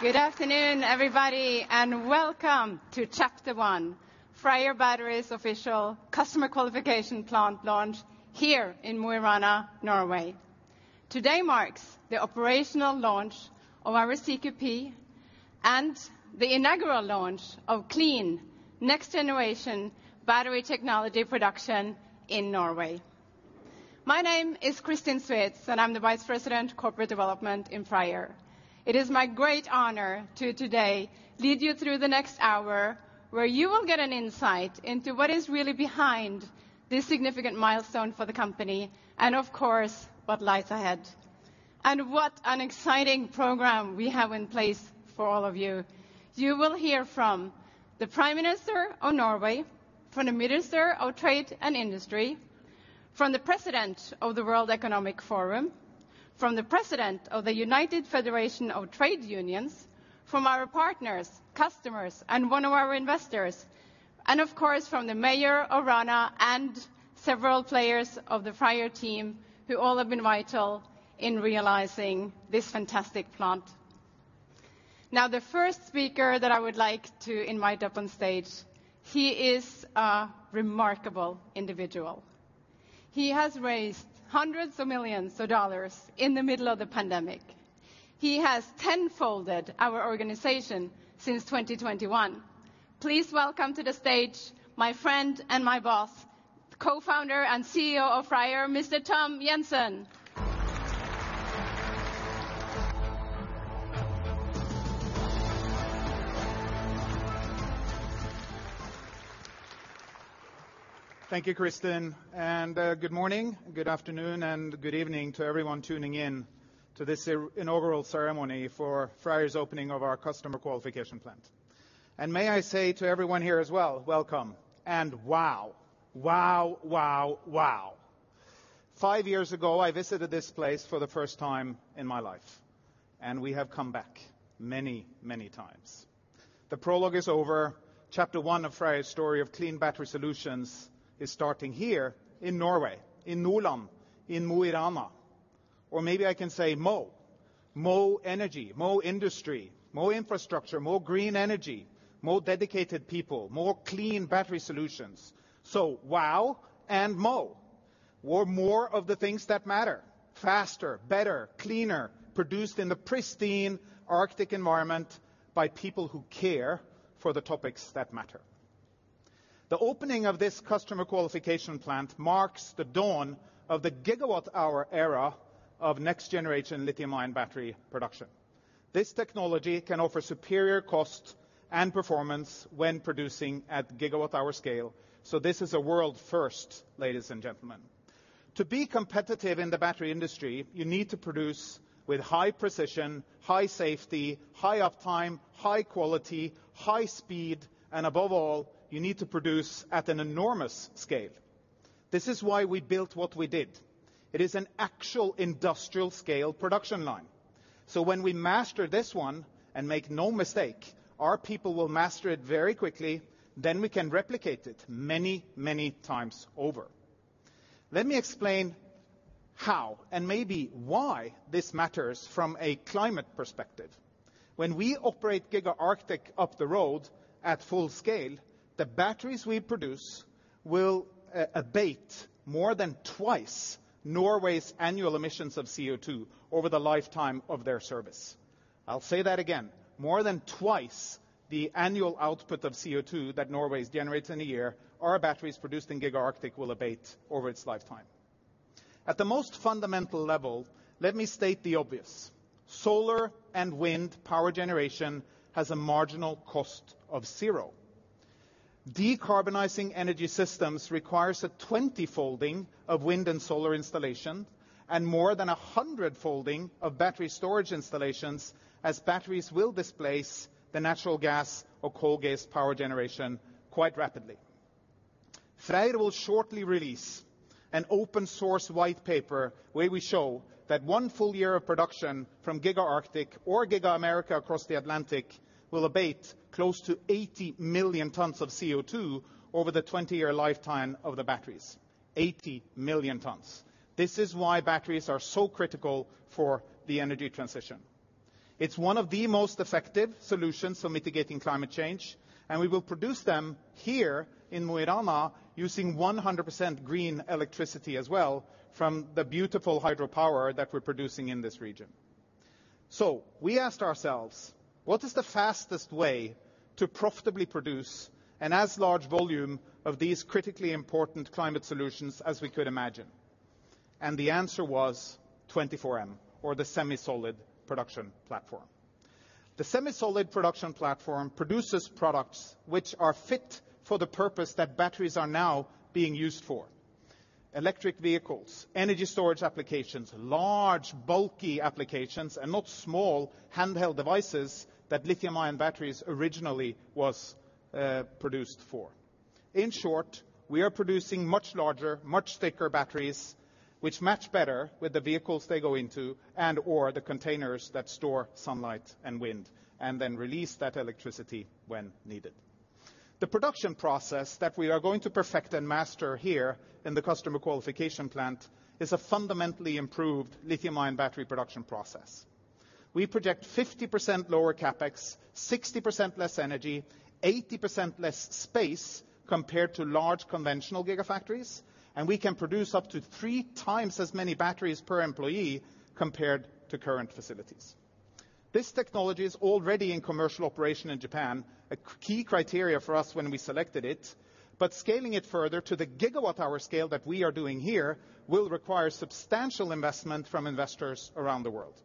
Good afternoon, everybody, and welcome to chapter one, FREYR Battery's Official Customer Qualification Plant Launch here in Mo i Rana, Norway. Today marks the operational launch of our CQP and the inaugural launch of clean, next-generation battery technology production in Norway. My name is Kristin Svendsen, and I'm the Vice President of Corporate Development in FREYR. It is my great honor to today lead you through the next hour, where you will get an insight into what is really behind this significant milestone for the company and of course, what lies ahead. What an exciting program we have in place for all of you. You will hear from the Prime Minister of Norway, from the Minister of Trade and Industry, from the President of the World Economic Forum, from the President of the World Federation of Trade Unions, from our partners, customers, and one of our investors, and of course, from the Mayor of Rana and several players of the FREYR team, who all have been vital in realizing this fantastic plant. The first speaker that I would like to invite up on stage, he is a remarkable individual. He has raised hundreds of millions of dollars in the middle of the pandemic. He has ten-folded our organization since 2021. Please welcome to the stage my friend and my boss, Co-Founder and CEO of FREYR, Mr. Tom Jensen. Thank you, Kristin, good morning, good afternoon, and good evening to everyone tuning in to this inaugural ceremony for FREYR's opening of our Customer Qualification Plant. May I say to everyone here as well, welcome. Wow. Wow, wow. Five years ago, I visited this place for the first time in my life, and we have come back many, many times. The prologue is over. Chapter one of FREYR's story of clean battery solutions is starting here in Norway, in Nordland, in Mo i Rana. Maybe I can say Mo. Mo energy, Mo industry, Mo infrastructure, Mo green energy, Mo dedicated people, Mo clean battery solutions. Wow and Mo. More of the things that matter, faster, better, cleaner, produced in the pristine Arctic environment by people who care for the topics that matter. The opening of this Customer Qualification Plant marks the dawn of the gigawatt-hour era of next-generation lithium-ion battery production. This technology can offer superior cost and performance when producing at gigawatt-hour scale. This is a world first, ladies and gentlemen. To be competitive in the battery industry, you need to produce with high precision, high safety, high uptime, high quality, high speed, and above all, you need to produce at an enormous scale. This is why we built what we did. It is an actual industrial scale production line. When we master this one, and make no mistake, our people will master it very quickly, then we can replicate it many, many times over. Let me explain how and maybe why this matters from a climate perspective. When we operate Giga Arctic up the road at full scale, the batteries we produce will abate more than twice Norway's annual emissions of CO2 over the lifetime of their service. I'll say that again. More than twice the annual output of CO2 that Norway generates in a year, our batteries produced in Giga Arctic will abate over its lifetime. At the most fundamental level, let me state the obvious. Solar and wind power generation has a marginal cost of 0. Decarbonizing energy systems requires a 20-folding of wind and solar installation and more than a 100-folding of battery storage installations as batteries will displace the natural gas or coal gas power generation quite rapidly. FREYR will shortly release an open source white paper where we show that one full year of production from Giga Arctic or Giga America across the Atlantic will abate close to 80 million tons of CO2 over the 20-year lifetime of the batteries. 80 million tons. This is why batteries are so critical for the energy transition. It's one of the most effective solutions for mitigating climate change, and we will produce them here in Mo i Rana using 100% green electricity as well from the beautiful hydropower that we're producing in this region. We asked ourselves, "What is the fastest way to profitably produce an as large volume of these critically important climate solutions as we could imagine?" The answer was 24M or the SemiSolid production platform. The SemiSolid production platform produces products which are fit for the purpose that batteries are now being used for. Electric vehicles, energy storage applications, large, bulky applications, and not small handheld devices that lithium-ion batteries originally was produced for. In short, we are producing much larger, much thicker batteries which match better with the vehicles they go into and/or the containers that store sunlight and wind, and then release that electricity when needed. The production process that we are going to perfect and master here in the Customer Qualification Plant is a fundamentally improved lithium-ion battery production process. We project 50% lower CapEx, 60% less energy, 80% less space compared to large conventional gigafactories, and we can produce up to three times as many batteries per employee compared to current facilities. This technology is already in commercial operation in Japan, a key criteria for us when we selected it, but scaling it further to the gigawatt-hour scale that we are doing here will require substantial investment from investors around the world.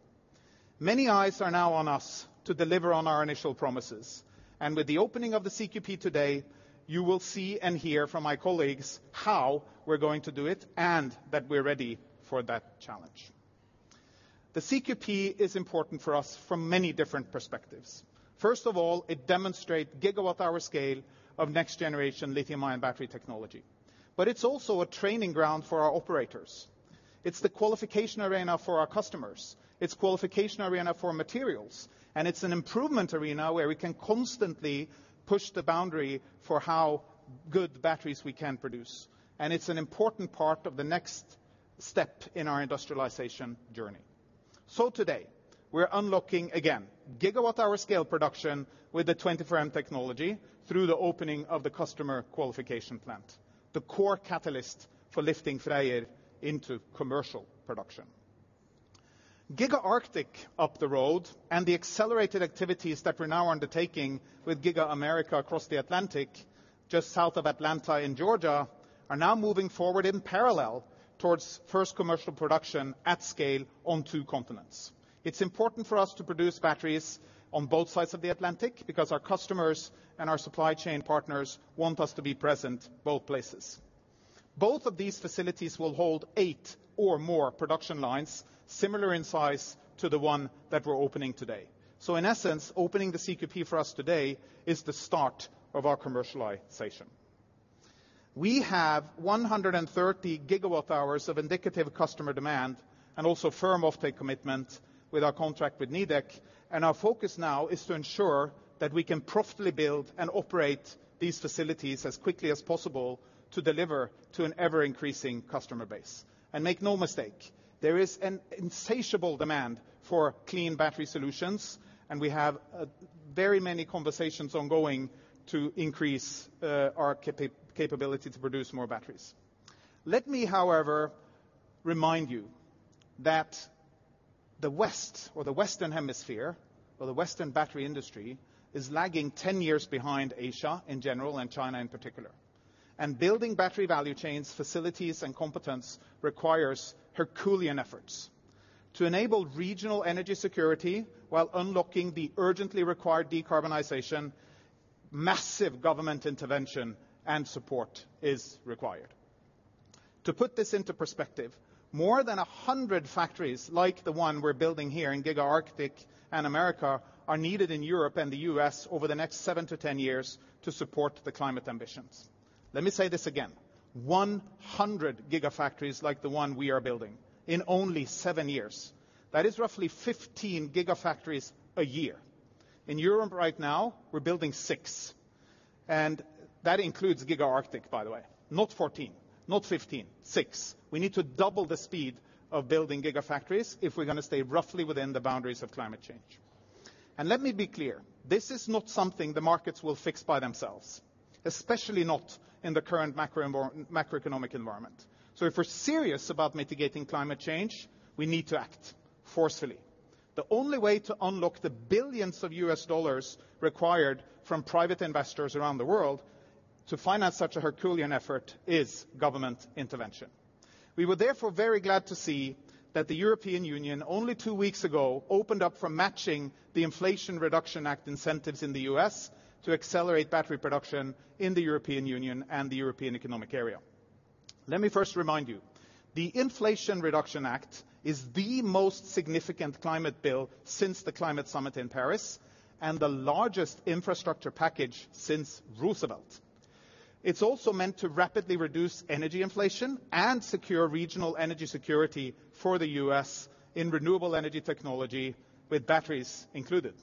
Many eyes are now on us to deliver on our initial promises, and with the opening of the CQP today, you will see and hear from my colleagues how we're going to do it and that we're ready for that challenge. The CQP is important for us from many different perspectives. First of all, it demonstrate gigawatt-hour scale of next-generation lithium-ion battery technology. It's also a training ground for our operators. It's the qualification arena for our customers. It's qualification arena for materials. It's an improvement arena where we can constantly push the boundary for how good batteries we can produce. It's an important part of the next step in our industrialization journey. Today, we're unlocking, again, gigawatt-hour scale production with the 24M technology through the opening of the Customer Qualification Plant, the core catalyst for lifting FREYR into commercial production. Giga Arctic up the road and the accelerated activities that we're now undertaking with Giga America across the Atlantic, just south of Atlanta in Georgia, are now moving forward in parallel towards first commercial production at scale on two continents. It's important for us to produce batteries on both sides of the Atlantic because our customers and our supply chain partners want us to be present both places. Both of these facilities will hold eight or more production lines, similar in size to the one that we're opening today. In essence, opening the CQP for us today is the start of our commercialization. We have 130 GWh of indicative customer demand and also firm offtake commitment with our contract with Nidec, and our focus now is to ensure that we can profitably build and operate these facilities as quickly as possible to deliver to an ever-increasing customer base. Make no mistake, there is an insatiable demand for clean battery solutions, and we have very many conversations ongoing to increase our capability to produce more batteries. Let me, however, remind you that the West or the Western Hemisphere or the Western battery industry is lagging 10 years behind Asia in general and China in particular. Building battery value chains, facilities, and competence requires Herculean efforts. To enable regional energy security while unlocking the urgently required decarbonization, massive government intervention and support is required. To put this into perspective, more than 100 factories like the one we're building here in Giga Arctic and America are needed in Europe and the US over the next seven to 10 years to support the climate ambitions. Let me say this again, 100 gigafactories like the one we are building in only seven years. That is roughly 15 gigafactories a year. In Europe right now, we're building six, and that includes Giga Arctic, by the way. Not 14, not 15, six. We need to double the speed of building gigafactories if we're gonna stay roughly within the boundaries of climate change. Let me be clear, this is not something the markets will fix by themselves, especially not in the current macroeconomic environment. If we're serious about mitigating climate change, we need to act forcefully. The only way to unlock the billions of U.S. dollars required from private investors around the world to finance such a Herculean effort is government intervention. We were therefore very glad to see that the European Union, only two weeks ago, opened up for matching the Inflation Reduction Act incentives in the U.S. to accelerate battery production in the European Union and the European Economic Area. Let me first remind you, the Inflation Reduction Act is the most significant climate bill since the climate summit in Paris and the largest infrastructure package since Roosevelt. It's also meant to rapidly reduce energy inflation and secure regional energy security for the U.S. in renewable energy technology with batteries included.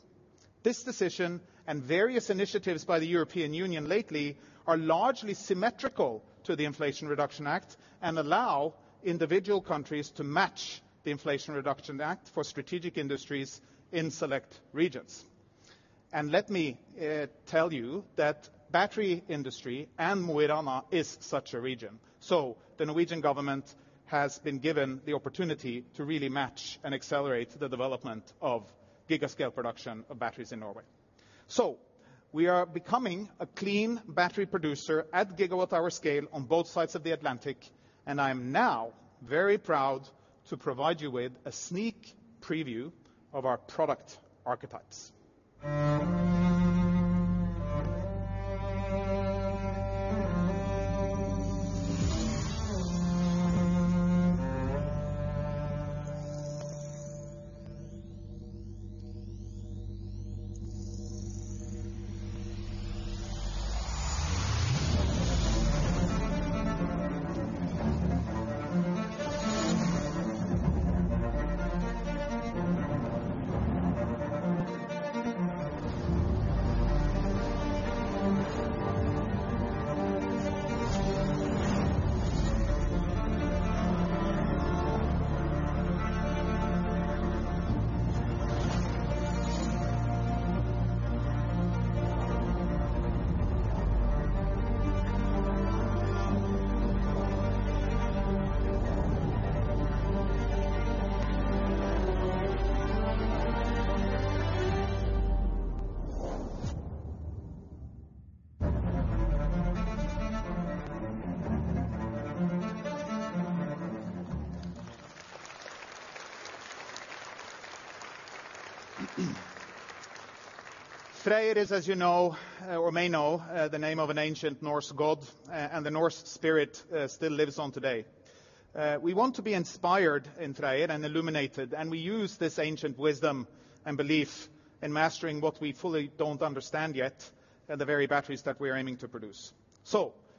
This decision and various initiatives by the European Union lately are largely symmetrical to the Inflation Reduction Act and allow individual countries to match the Inflation Reduction Act for strategic industries in select regions. Let me tell you that battery industry and Mo i Rana is such a region. The Norwegian government has been given the opportunity to really match and accelerate the development of giga scale production of batteries in Norway. We are becoming a clean battery producer at gigawatt-hour scale on both sides of the Atlantic, and I am now very proud to provide you with a sneak preview of our product archetypes. FREYR is, as you know, or may know, the name of an ancient Norse god and the Norse spirit still lives on today. We want to be inspired in FREYR and illuminated, we use this ancient wisdom and belief in mastering what we fully don't understand yet, and the very batteries that we're aiming to produce.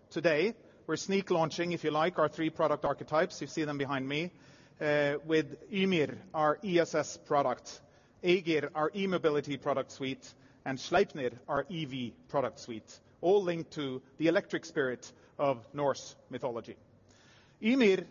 Today we're sneak launching, if you like, our three product archetypes. You see them behind me, with Ymir, our ESS product, Aegir, our e-mobility product suite, and Sleipnir, our EV product suite, all linked to the electric spirit of Norse mythology. Ymir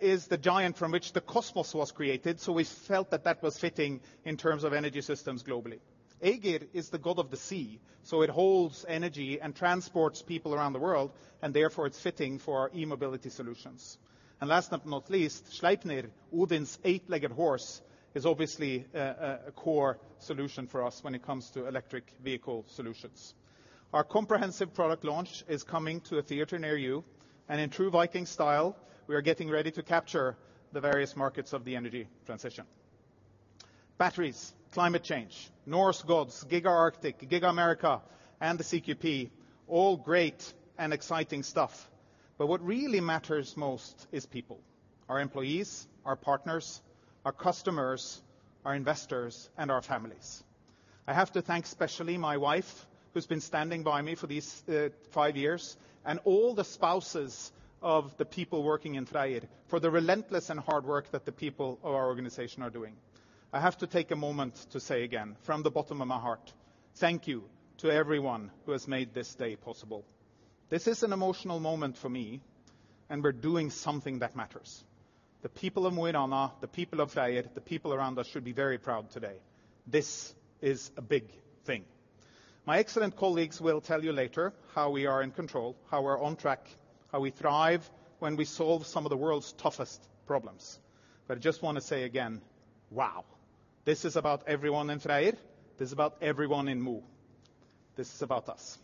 is the giant from which the cosmos was created, we felt that that was fitting in terms of energy systems globally. Aegir is the god of the sea, it holds energy and transports people around the world, therefore it's fitting for our e-mobility solutions. Last but not least, Sleipnir, Odin's eight-legged horse, is obviously a core solution for us when it comes to electric vehicle solutions. Our comprehensive product launch is coming to a theater near you, and in true Viking style, we are getting ready to capture the various markets of the energy transition. Batteries, climate change, Norse gods, Giga Arctic, Giga America, and the CQP, all great and exciting stuff. What really matters most is people, our employees, our partners, our customers, our investors, and our families. I have to thank especially my wife who's been standing by me for these five years, and all the spouses of the people working in FREYR for the relentless and hard work that the people of our organization are doing. I have to take a moment to say again, from the bottom of my heart, thank you to everyone who has made this day possible. This is an emotional moment for me, and we're doing something that matters. The people of Mo i Rana, the people of FREYR, the people around us should be very proud today. This is a big thing. My excellent colleagues will tell you later how we are in control, how we're on track, how we thrive when we solve some of the world's toughest problems. I just want to say again, wow, this is about everyone in FREYR. This is about everyone in Mo. This is about us.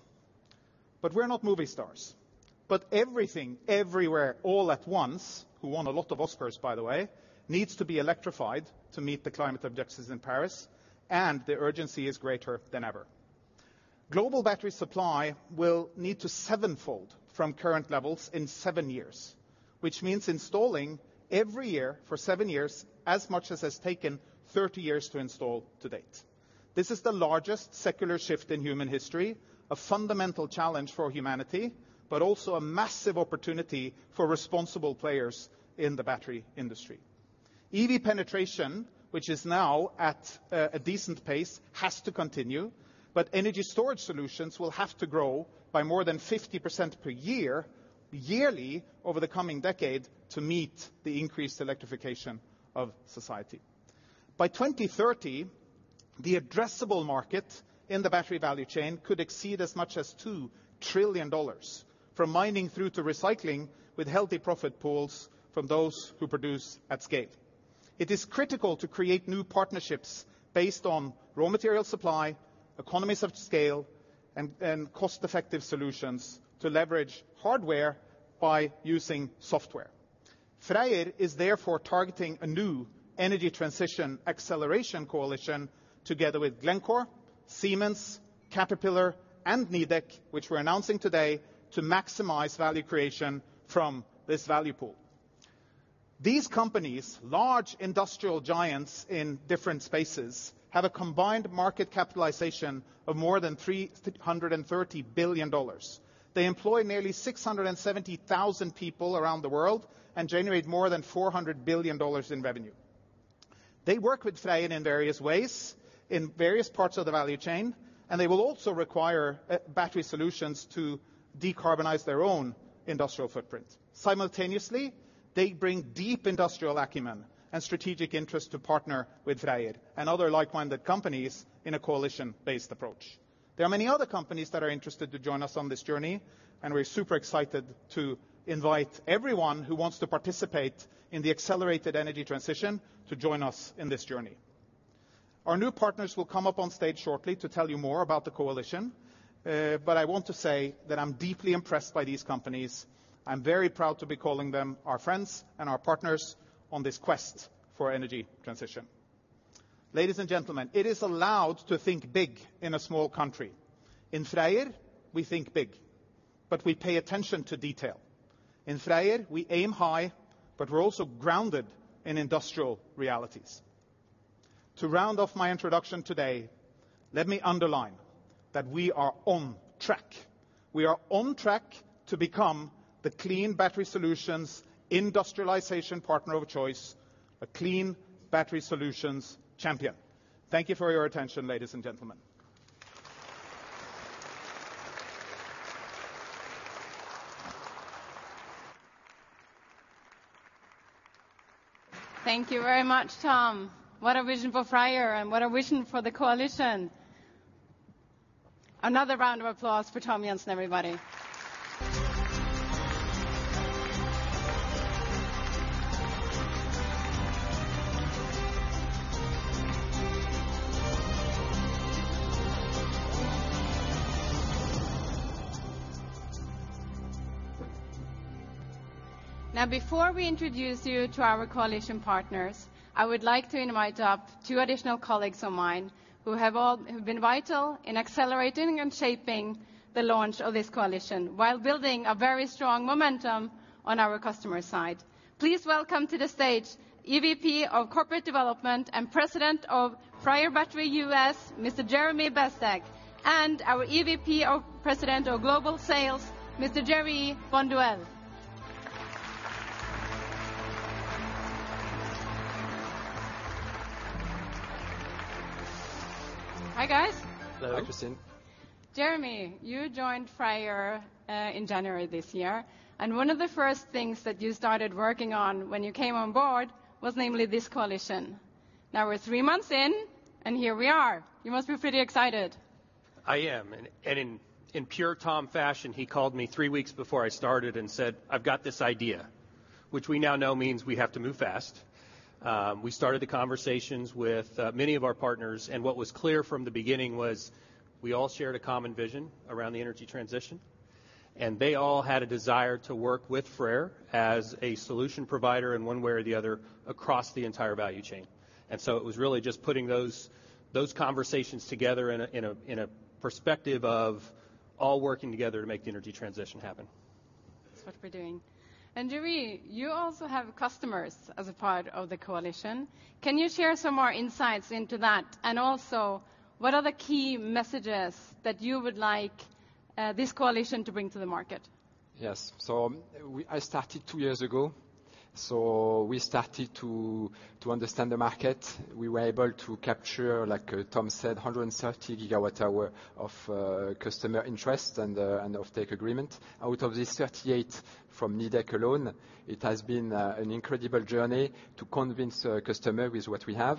We're not movie stars. Everything everywhere all at once, who won a lot of Oscars by the way, needs to be electrified to meet the climate objectives in Paris. The urgency is greater than ever. Global battery supply will need to sevenfold from current levels in seven years, which means installing every year for seven years as much as has taken 30 years to install to date. This is the largest secular shift in human history, a fundamental challenge for humanity, but also a massive opportunity for responsible players in the battery industry. EV penetration, which is now at a decent pace, has to continue. Energy storage solutions will have to grow by more than 50% per year, yearly over the coming decade to meet the increased electrification of society. By 2030, the addressable market in the battery value chain could exceed as much as $2 trillion from mining through to recycling with healthy profit pools from those who produce at scale. It is critical to create new partnerships based on raw material supply, economies of scale, and cost-effective solutions to leverage hardware by using software. FREYR is therefore targeting a new Energy Transition Acceleration Coalition together with Glencore, Siemens, Caterpillar, and Nidec, which we're announcing today to maximize value creation from this value pool. These companies, large industrial giants in different spaces, have a combined market capitalization of more than $330 billion. They employ nearly 670,000 people around the world and generate more than $400 billion in revenue. They work with FREYR in various ways, in various parts of the value chain, and they will also require battery solutions to decarbonize their own industrial footprint. Simultaneously, they bring deep industrial acumen and strategic interest to partner with FREYR and other like-minded companies in a coalition-based approach. There are many other companies that are interested to join us on this journey. We're super excited to invite everyone who wants to participate in the accelerated energy transition to join us in this journey. Our new partners will come up on stage shortly to tell you more about the coalition. I want to say that I'm deeply impressed by these companies. I'm very proud to be calling them our friends and our partners on this quest for energy transition. Ladies and gentlemen, it is allowed to think big in a small country. In FREYR, we think big, but we pay attention to detail. In FREYR, we aim high, but we're also grounded in industrial realities. To round off my introduction today. Let me underline that we are on track. We are on track to become the clean battery solutions industrialization partner of choice, a clean battery solutions champion. Thank you for your attention, ladies and gentlemen. Thank you very much, Tom. What a vision for FREYR and what a vision for the coalition. Another round of applause for Tom Jensen, everybody. Before we introduce you to our coalition partners, I would like to invite up two additional colleagues of mine who have been vital in accelerating and shaping the launch of this coalition while building a very strong momentum on our customer side. Please welcome to the stage EVP of Corporate Development and President of FREYR Battery, U.S., Mr. Jeremy Bezdek, and our EVP of President of Global Sales, Mr. Gery Bonduelle. Hi, guys. Hello. Hi, Kristin Jeremy, you joined FREYR, in January this year, and one of the first things that you started working on when you came on board was namely this coalition. Now we're three months in, and here we are. You must be pretty excited. I am. And, and in pure Tom fashion, he called me three weeks before I started and said, "I've got this idea," which we now know means we have to move fast. We started the conversations with many of our partners, and what was clear from the beginning was we all shared a common vision around the energy transition, and they all had a desire to work with FREYR as a solution provider in one way or the other across the entire value chain. It was really just putting those conversations together in a, in a, in a perspective of all working together to make the energy transition happen. That's what we're doing. Gery, you also have customers as a part of the coalition. Can you share some more insights into that? What are the key messages that you would like this coalition to bring to the market? Yes. I started two years ago. We started to understand the market. We were able to capture, like Tom said, 130 GWh of customer interest and offtake agreement. Out of these 38 from Nidec alone, it has been an incredible journey to convince a customer with what we have.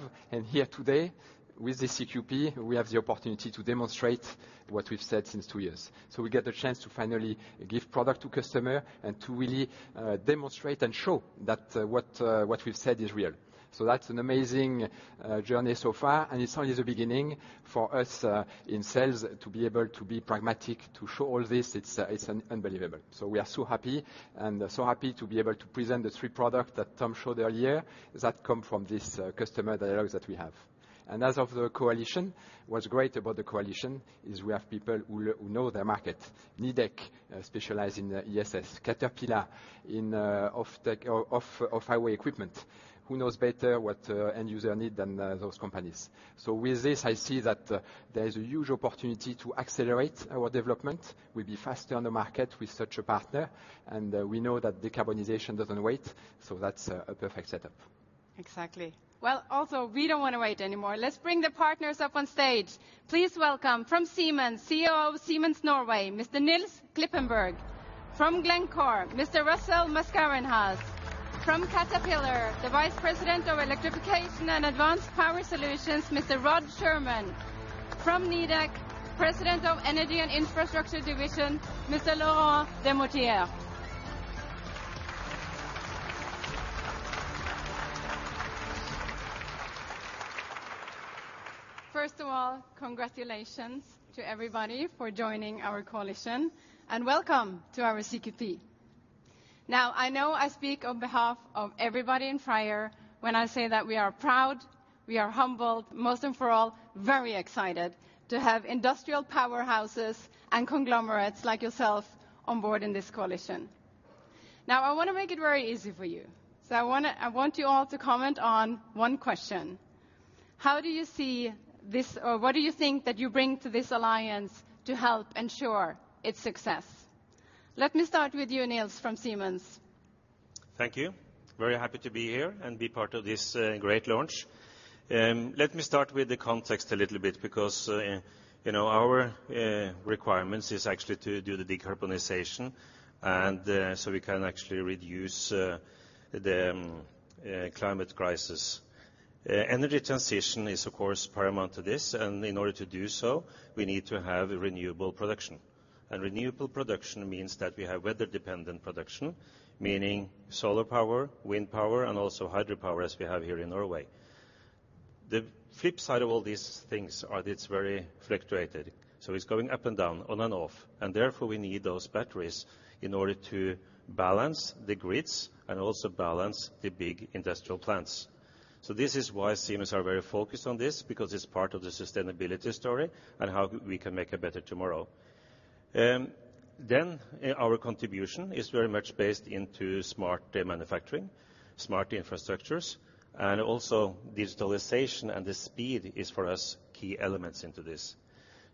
Here today with the CQP, we have the opportunity to demonstrate what we've said since two years. We get the chance to finally give product to customer and to really demonstrate and show that what we've said is real. That's an amazing journey so far, and it's only the beginning for us in sales to be able to be pragmatic, to show all this. It's unbelievable. We are so happy and so happy to be able to present the three product that Tom showed earlier that come from this customer dialogues that we have. As of the coalition, what's great about the coalition is we have people who know their market. Nidec specialize in ESS. Caterpillar in offtake off-highway equipment. Who knows better what end user need than those companies? With this, I see that there is a huge opportunity to accelerate our development. We'll be faster on the market with such a partner, and we know that decarbonization doesn't wait, so that's a perfect setup. Exactly. Well, also, we don't wanna wait anymore. Let's bring the partners up on stage. Please welcome from Siemens, CEO of Siemens Norway, Mr. Nils Klippenberg. From Glencore, Mr. Russel Mascarenhas. From Caterpillar, the Vice President of Electrification and Advanced Power Solutions, Mr. Rod Shurman. From Nidec, President of Energy and Infrastructure Division, Mr. Laurent Demortier. First of all, congratulations to everybody for joining our coalition, and welcome to our CQP. I know I speak on behalf of everybody in FREYR when I say that we are proud, we are humbled, most and for all, very excited to have industrial powerhouses and conglomerates like yourselves on board in this coalition. I wanna make it very easy for you, so I want you all to comment on one question: How do you see this or what do you think that you bring to this alliance to help ensure its success? Let me start with you, Nils, from Siemens. Thank you. Very happy to be here and be part of this great launch. Let me start with the context a little bit because, you know, our requirements is actually to do the decarbonization. We can actually reduce the climate crisis. Energy transition is of course paramount to this. In order to do so, we need to have renewable production. Renewable production means that we have weather-dependent production, meaning solar power, wind power, and also hydropower, as we have here in Norway. The flip side of all these things are it's very fluctuated. It's going up and down, on and off. We need those batteries in order to balance the grids and also balance the big industrial plants. This is why Siemens are very focused on this, because it's part of the sustainability story and how we can make a better tomorrow. Our contribution is very much based into smart manufacturing, smart infrastructures, and also digitalization and the speed is, for us, key elements into this.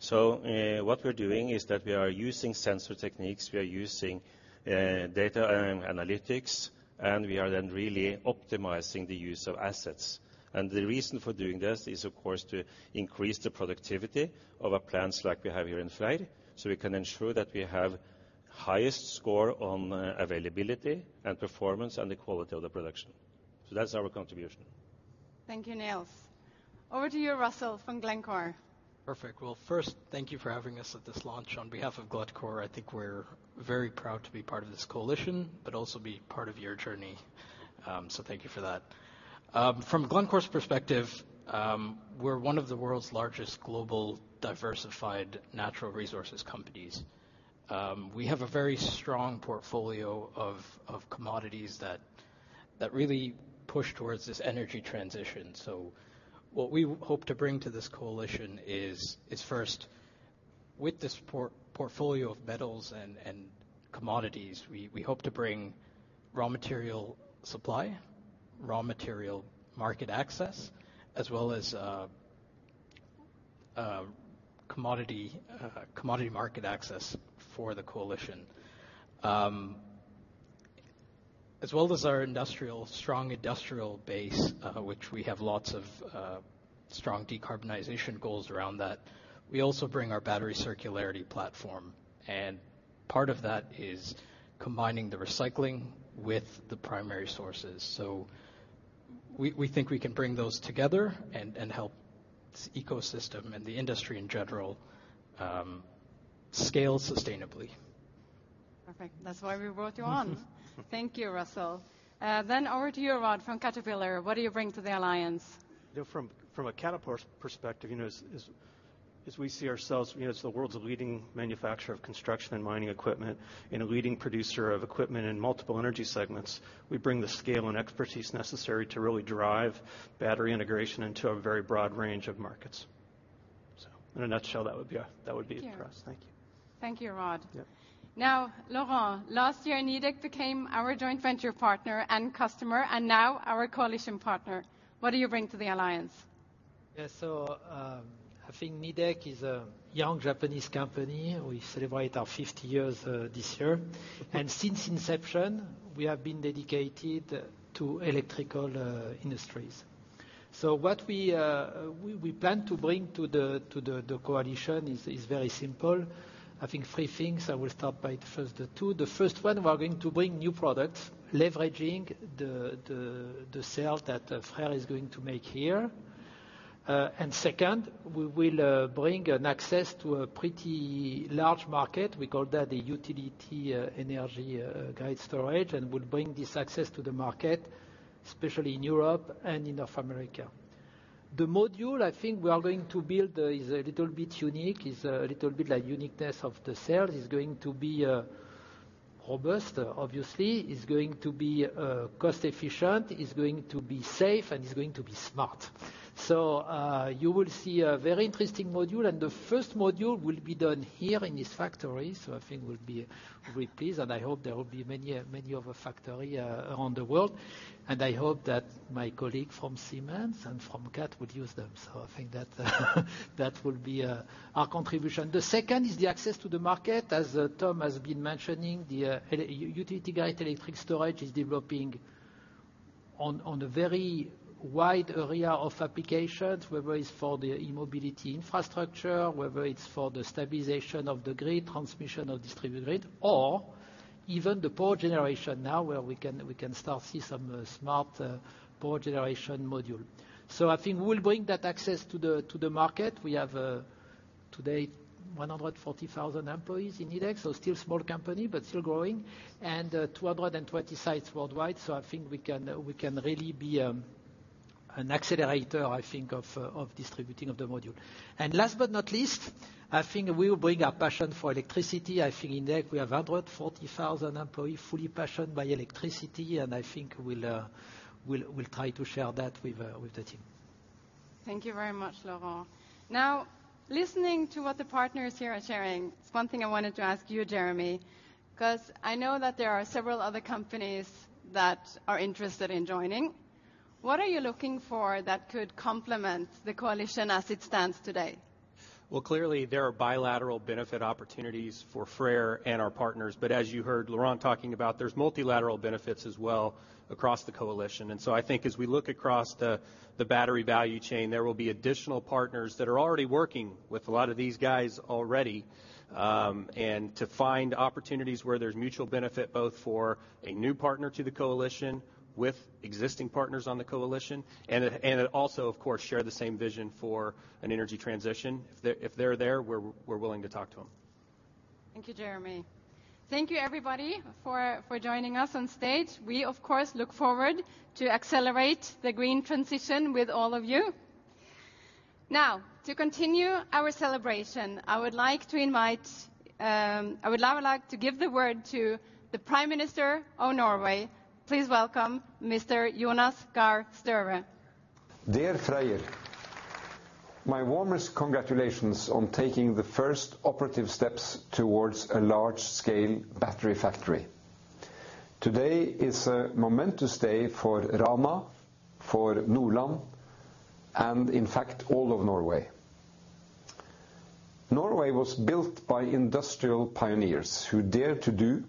What we're doing is that we are using sensor techniques, we are using data analytics, and we are then really optimizing the use of assets. The reason for doing this is, of course, to increase the productivity of our plants like we have here in FREYR, so we can ensure that we have highest score on availability and performance and the quality of the production. That's our contribution. Thank you, Nils. Over to you, Russel from Glencore. Perfect. Well, first, thank you for having us at this launch. On behalf of Glencore, I think we're very proud to be part of this coalition, be part of your journey. Thank you for that. From Glencore's perspective, we're one of the world's largest global diversified natural resources companies. We have a very strong portfolio of commodities that really push towards this energy transition. What we hope to bring to this coalition is first, with this portfolio of metals and commodities, we hope to bring raw material supply, raw material market access, as well as commodity market access for the coalition. As well as our strong industrial base, which we have lots of strong decarbonization goals around that. We also bring our battery circularity platform, and part of that is combining the recycling with the primary sources. We think we can bring those together and help this ecosystem and the industry in general, scale sustainably. Perfect. That's why we brought you on. Thank you, Russel. Over to you, Rod from Caterpillar. What do you bring to the alliance? You know, from a Caterpillar perspective, you know, as we see ourselves, you know, as the world's leading manufacturer of construction and mining equipment and a leading producer of equipment in multiple energy segments, we bring the scale and expertise necessary to really drive battery integration into a very broad range of markets. In a nutshell, that would be it for us. Thank you. Thank you. Thank you, Rod. Yep. Now, Laurent, last year Nidec became our joint venture partner and customer, and now our coalition partner. What do you bring to the alliance? I think Nidec is a young Japanese company. We celebrate our 50 years this year. Since inception, we have been dedicated to electrical industries. What we plan to bring to the coalition is very simple. I think three things. I will start by the first two. The first one, we're going to bring new products leveraging the cell that FREYR is going to make here. Second, we will bring an access to a pretty large market. We call that a utility energy grade storage, and we'll bring this access to the market, especially in Europe and in North America. The module I think we are going to build is a little bit unique. It's a little bit like uniqueness of the cell. It's going to be robust, obviously. It's going to be cost efficient, it's going to be safe, and it's going to be smart. You will see a very interesting module. The first module will be done here in this factory, so I think we'll be very pleased and I hope there will be many, many of a factory around the world, and I hope that my colleague from Siemens and from CAT would use them. I think that will be our contribution. The second is the access to the market. As Tom has been mentioning, the utility-grade energy storage is developing on a very wide area of applications, whether it's for the e-mobility infrastructure, whether it's for the stabilization of the grid, transmission of distributed, or even the power generation now where we can start see some smart power generation module. I think we'll bring that access to the market. We have today 140,000 employees in Nidec. Still small company, but still growing. 220 sites worldwide, I think we can really be an accelerator, I think, of distributing of the module. Last but not least, I think we will bring our passion for electricity. I think in Nidec we have 140,000 employee, fully passionate by electricity, and I think we'll try to share that with the team. Thank you very much, Laurent. Now, listening to what the partners here are sharing, there's one thing I wanted to ask you, Jeremy. 'Cause I know that there are several other companies that are interested in joining. What are you looking for that could complement the coalition as it stands today? Well, clearly there are bilateral benefit opportunities for FREYR and our partners. As you heard Laurent talking about, there's multilateral benefits as well across the coalition. I think as we look across the battery value chain, there will be additional partners that are already working with a lot of these guys already. To find opportunities where there's mutual benefit, both for a new partner to the coalition with existing partners on the coalition and also of course share the same vision for an energy transition. If they're there, we're willing to talk to them. Thank you, Jeremy. Thank you everybody for joining us on stage. We, of course, look forward to accelerate the green transition with all of you. Now, to continue our celebration, I would like to invite, I would now like to give the word to the Prime Minister of Norway. Please welcome Mr. Jonas Gahr Støre. Dear FREYR, my warmest congratulations on taking the first operative steps towards a large-scale battery factory. Today is a momentous day for Rana, for Nordland, and in fact, all of Norway. Norway was built by industrial pioneers who dared to do,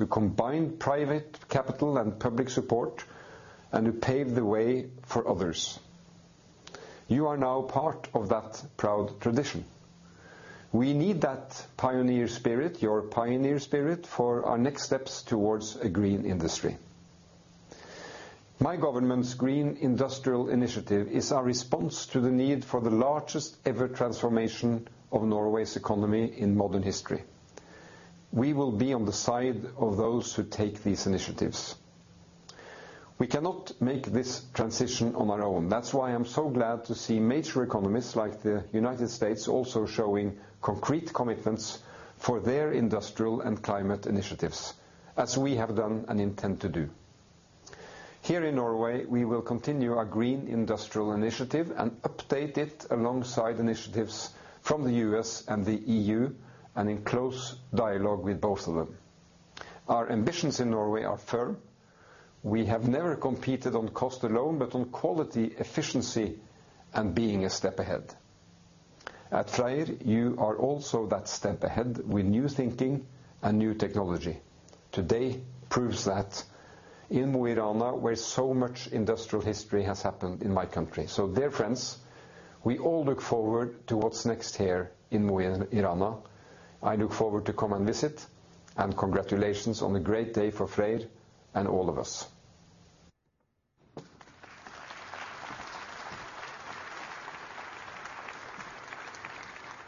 who combined private capital and public support, and who paved the way for others. You are now part of that proud tradition. We need that pioneer spirit, your pioneer spirit, for our next steps towards a green industry. My government's Green Industrial Initiative is our response to the need for the largest ever transformation of Norway's economy in modern history. We will be on the side of those who take these initiatives. We cannot make this transition on our own. That's why I'm so glad to see major economies like the United States also showing concrete commitments for their industrial and climate initiatives, as we have done and intend to do. Here in Norway, we will continue our Green Industrial Initiative and update it alongside initiatives from the U.S. and the EU, and in close dialogue with both of them. Our ambitions in Norway are firm. We have never competed on cost alone, but on quality, efficiency, and being a step ahead. At FREYR, you are also that step ahead with new thinking and new technology. Today proves that in Mo i Rana, where so much industrial history has happened in my country. Dear friends, we all look forward to what's next here in Mo i Rana. I look forward to come and visit. Congratulations on a great day for FREYR and all of us.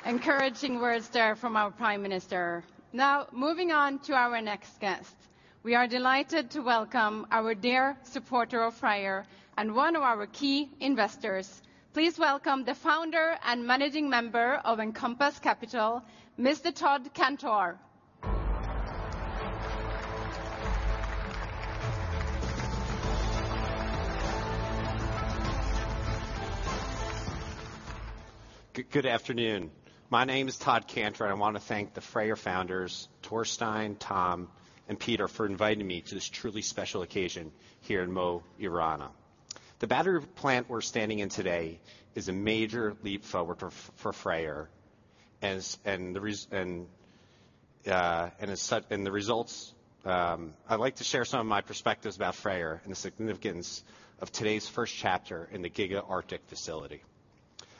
Encouraging words there from our Prime Minister. Now moving on to our next guest. We are delighted to welcome our dear supporter of FREYR and one of our key investors. Please welcome the Founder and Managing Member of Encompass Capital, Mr. Todd Kantor. Good afternoon. My name is Todd Kantor. I want to thank the FREYR founders, Torstein, Tom, and Peter, for inviting me to this truly special occasion here in Mo i Rana. The battery plant we're standing in today is a major leap forward for FREYR, and the results, I'd like to share some of my perspectives about FREYR and the significance of today's first chapter in the Giga Arctic facility.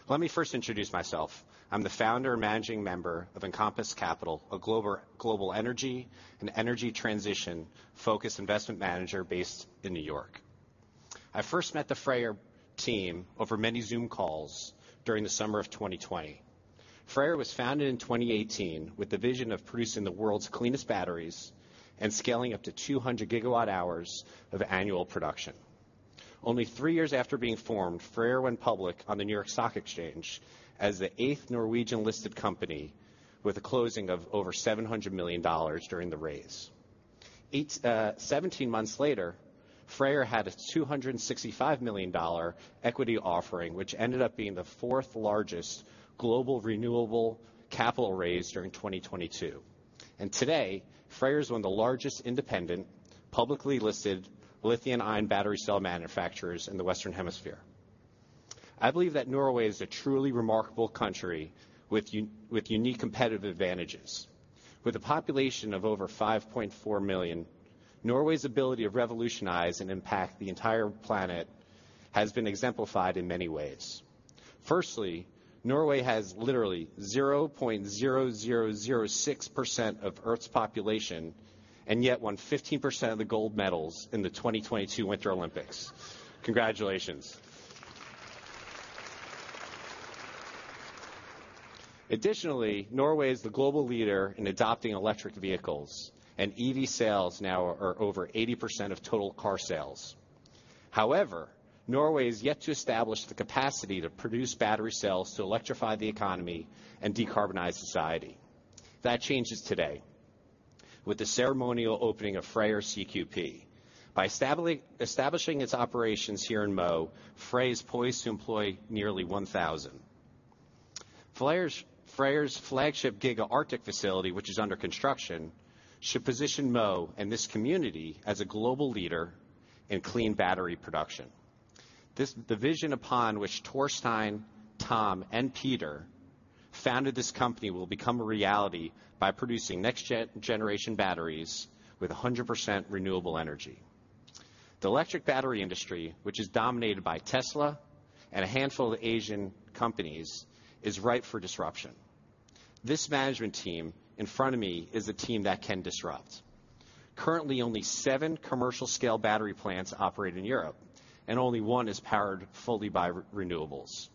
Let me first introduce myself. I am the Founder and Managing Member of Encompass Capital, a global energy and energy transition focused investment manager based in New York. I first met the FREYR team over many Zoom calls during the summer of 2020. FREYR was founded in 2018 with the vision of producing the world's cleanest batteries and scaling up to 200 GWh of annual production. Only three years after being formed, FREYR went public on the New York Stock Exchange as the eighth Norwegian-listed company with a closing of over $700 million during the raise. Seventeen months later, FREYR had a $265 million equity offering, which ended up being the fourth largest global renewable capital raise during 2022. Today, FREYR is one of the largest independent, publicly listed lithium-ion battery cell manufacturers in the Western Hemisphere. I believe that Norway is a truly remarkable country with unique competitive advantages. With a population of over 5.4 million, Norway's ability to revolutionize and impact the entire planet has been exemplified in many ways. Firstly, Norway has literally 0.0006% of Earth's population, and yet won 15% of the gold medals in the 2022 Winter Olympics. Congratulations. Additionally, Norway is the global leader in adopting electric vehicles, and EV sales now are over 80% of total car sales. However, Norway is yet to establish the capacity to produce battery cells to electrify the economy and decarbonize society. That changes today with the ceremonial opening of FREYR CQP. By establishing its operations here in Mo, FREYR is poised to employ nearly 1,000. FREYR's flagship Giga Arctic facility, which is under construction, should position Mo and this community as a global leader in clean battery production. The vision upon which Torstein, Tom, and Peter founded this company will become a reality by producing next generation batteries with 100% renewable energy. The electric battery industry, which is dominated by Tesla and a handful of Asian companies, is ripe for disruption. This management team in front of me is a team that can disrupt. Currently, only seven commercial scale battery plants operate in Europe, and only one is powered fully by renewables.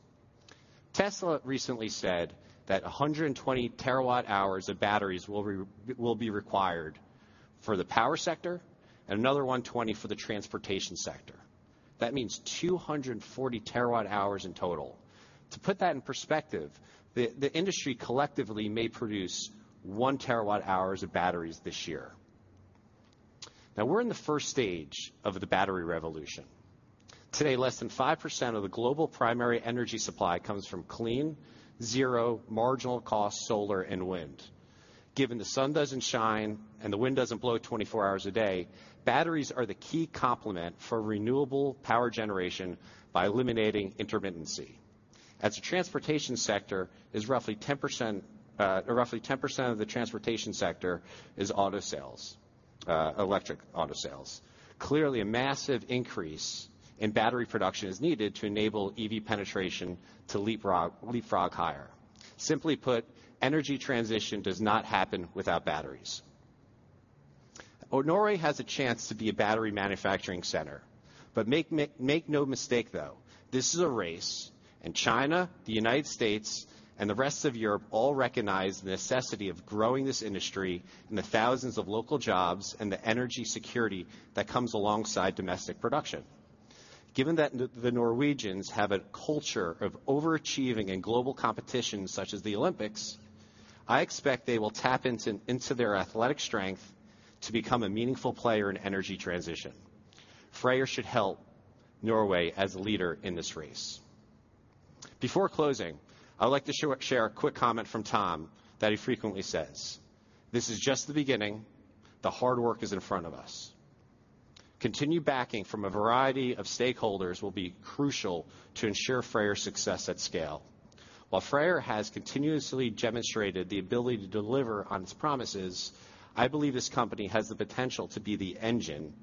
Tesla recently said that 120 TWh of batteries will be required for the power sector and another 120 TWh for the transportation sector. That means 240 TWh in total. To put that in perspective, the industry collectively may produce 1 TWh of batteries this year. Now we're in the first stage of the battery revolution. Today, less than 5% of the global primary energy supply comes from clean, zero, marginal cost solar and wind. Given the sun doesn't shine and the wind doesn't blow 24 hours a day, batteries are the key complement for renewable power generation by eliminating intermittency. As the transportation sector is roughly 10% or roughly 10% of the transportation sector is auto sales, electric auto sales. Clearly, a massive increase in battery production is needed to enable EV penetration to leapfrog higher. Simply put, energy transition does not happen without batteries. Norway has a chance to be a battery manufacturing center. Make no mistake, though, this is a race, and China, the United States, and the rest of Europe all recognize the necessity of growing this industry and the thousands of local jobs and the energy security that comes alongside domestic production. Given that the Norwegians have a culture of overachieving in global competition such as the Olympics, I expect they will tap into their athletic strength to become a meaningful player in energy transition. FREYR should help Norway as a leader in this race. Before closing, I would like to share a quick comment from Tom that he frequently says, "This is just the beginning. The hard work is in front of us." Continued backing from a variety of stakeholders will be crucial to ensure FREYR's success at scale. While FREYR has continuously demonstrated the ability to deliver on its promises, I believe this company has the potential to be the engine,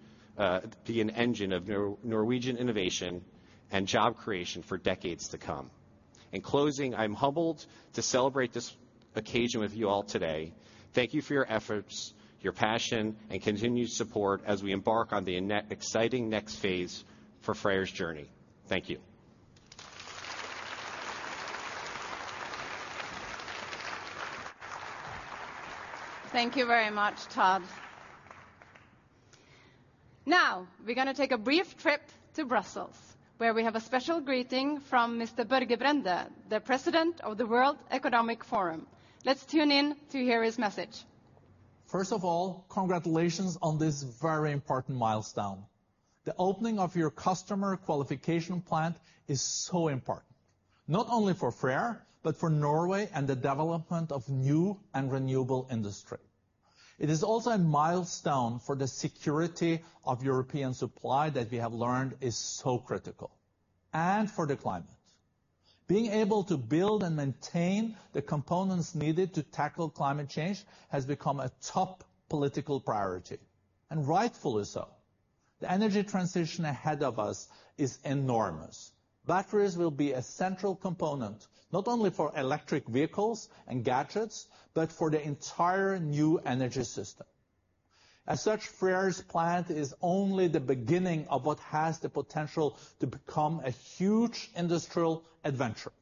be an engine of Norwegian innovation and job creation for decades to come. In closing, I'm humbled to celebrate this occasion with you all today. Thank you for your efforts, your passion, and continued support as we embark on the exciting next phase for FREYR's journey. Thank you. Thank you very much, Todd. Now, we're gonna take a brief trip to Brussels, where we have a special greeting from Mr. Børge Brende, the President of the World Economic Forum. Let's tune in to hear his message. First of all, congratulations on this very important milestone. The opening of your Customer Qualification Plant is so important, not only for FREYR, but for Norway and the development of new and renewable industry. It is also a milestone for the security of European supply that we have learned is so critical and for the climate. Being able to build and maintain the components needed to tackle climate change has become a top political priority, and rightfully so. The energy transition ahead of us is enormous. Batteries will be a central component, not only for electric vehicles and gadgets, but for the entire new energy system. As such, FREYR's plant is only the beginning of what has the potential to become a huge industrial adventure.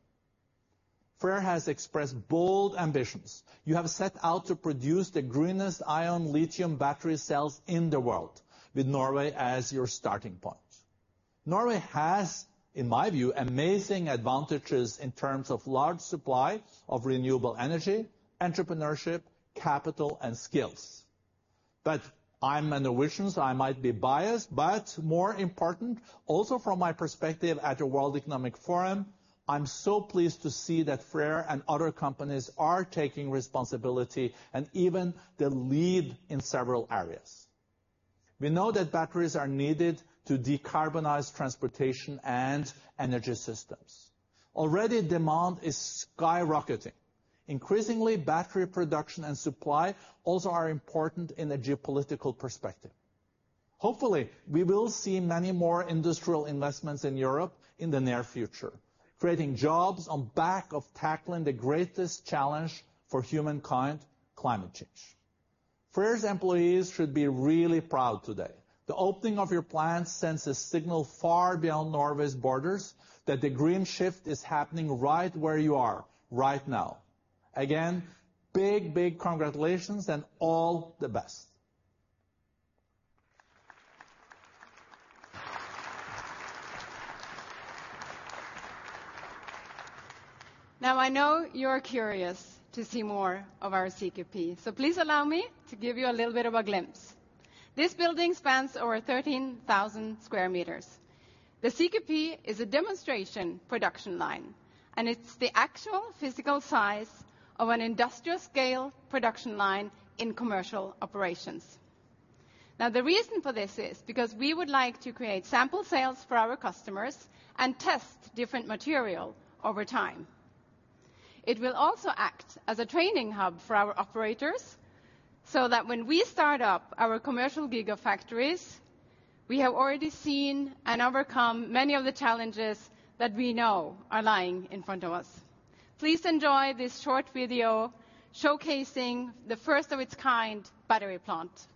FREYR has expressed bold ambitions. You have set out to produce the greenest lithium-ion battery cells in the world, with Norway as your starting point. Norway has, in my view, amazing advantages in terms of large supply of renewable energy, entrepreneurship, capital, and skills. I'm a Norwegian, so I might be biased. More important, also from my perspective at the World Economic Forum, I'm so pleased to see that FREYR and other companies are taking responsibility and even the lead in several areas. We know that batteries are needed to decarbonize transportation and energy systems. Already, demand is skyrocketing. Increasingly, battery production and supply also are important in the geopolitical perspective. Hopefully, we will see many more industrial investments in Europe in the near future, creating jobs on back of tackling the greatest challenge for humankind, climate change. FREYR's employees should be really proud today. The opening of your plant sends a signal far beyond Norway's borders that the green shift is happening right where you are right now. Again, big, big congratulations and all the best. I know you are curious to see more of our CQP, so please allow me to give you a little bit of a glimpse. This building spans over 13,000 sqm. The CQP is a demonstration production line, and it's the actual physical size of an industrial scale production line in commercial operations. The reason for this is because we would like to create sample sales for our customers and test different material over time. It will also act as a training hub for our operators, so that when we start up our commercial gigafactories, we have already seen and overcome many of the challenges that we know are lying in front of us. Please enjoy this short video showcasing the first of its kind battery plant.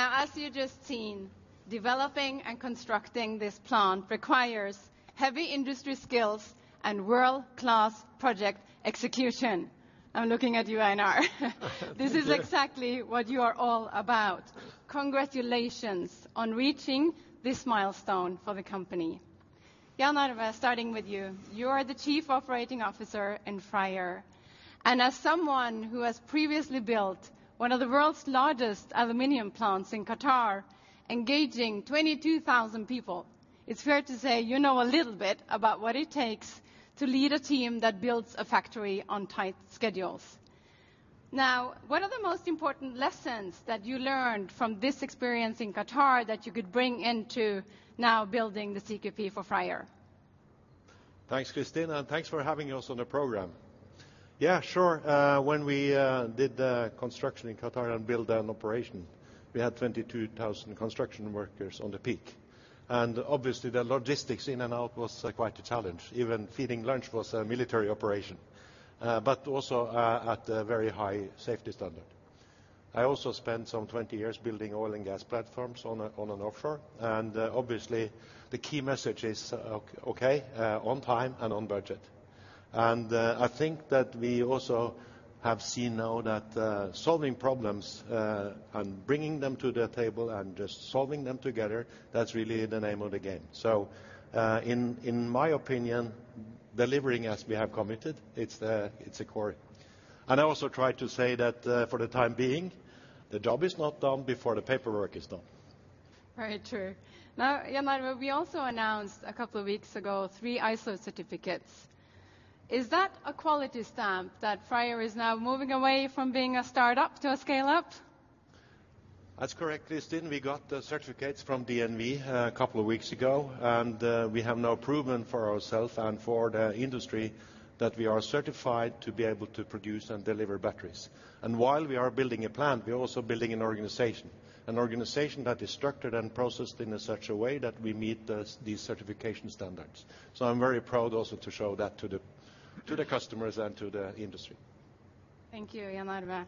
As you just seen, developing and constructing this plant requires heavy industry skills and world-class project execution. I'm looking at you, Einar. This is exactly what you are all about. Congratulations on reaching this milestone for the company. Jan Arve, starting with you. You are the Chief Operating Officer in FREYR. As someone who has previously built one of the world's largest aluminum plants in Qatar, engaging 22,000 people, it's fair to say you know a little bit about what it takes to lead a team that builds a factory on tight schedules. Now, what are the most important lessons that you learned from this experience in Qatar that you could bring into now building the CQP for FREYR? Thanks, Kristin, and thanks for having us on the program. Yeah, sure, when we did the construction in Qatar and build an operation, we had 22,000 construction workers on the peak. Obviously the logistics in and out was quite a challenge. Even feeding lunch was a military operation, but also at a very high safety standard. I also spent some 20 years building oil and gas platforms on an offshore, and obviously the key message is okay, on time and on budget. I think that we also have seen now that solving problems and bringing them to the table and just solving them together, that's really the name of the game. In my opinion, delivering as we have committed, it's the, it's a core. I also try to say that, for the time being, the job is not done before the paperwork is done. Very true. Now, Jan Arve, we also announced a couple of weeks ago three ISO certificates. Is that a quality stamp that FREYR is now moving away from being a startup to a scale-up? That's correct, Kristin. We got the certificates from DNV a couple of weeks ago, and we have now proven for ourself and for the industry that we are certified to be able to produce and deliver batteries. While we are building a plant, we are also building an organization, an organization that is structured and processed in a such a way that we meet these certification standards. I'm very proud also to show that to the customers and to the industry. Thank you, Jan Arve.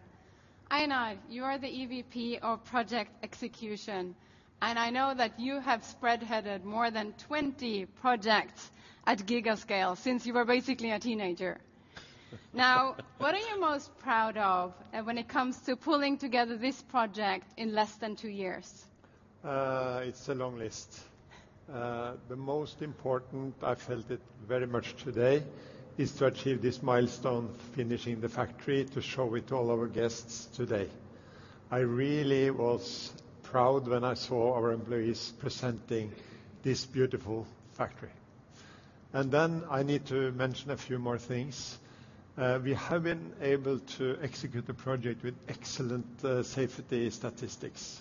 Einar, you are the EVP of project execution, and I know that you have spearheaded more than 20 projects at giga scale since you were basically a teenager. What are you most proud of, when it comes to pulling together this project in less than two years? It's a long list. The most important, I felt it very much today, is to achieve this milestone, finishing the factory to show it to all our guests today. I really was proud when I saw our employees presenting this beautiful factory. Then I need to mention a few more things. We have been able to execute the project with excellent, safety statistics.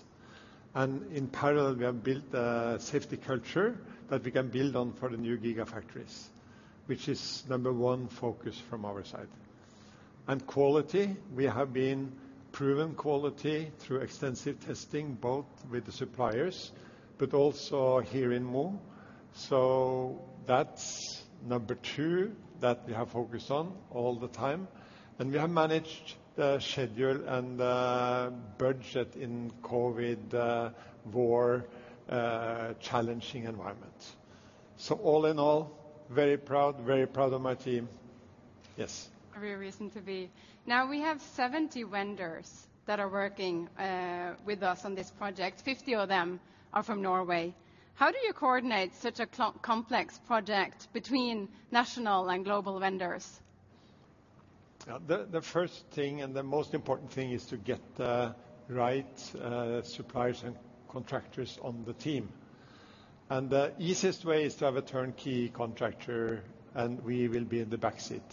In parallel we have built a safety culture that we can build on for the new gigafactories, which is number one focus from our side. Quality, we have been proven quality through extensive testing, both with the suppliers but also here in Mo. That's number two that we have focused on all the time, and we have managed the schedule and the budget in COVID war, challenging environment. All in all, very proud of my team. Yes. Very reason to be. Now, we have 70 vendors that are working with us on this project. 50 of them are from Norway. How do you coordinate such a complex project between national and global vendors? The first thing and the most important thing is to get the right suppliers and contractors on the team. The easiest way is to have a turnkey contractor, and we will be in the back seat.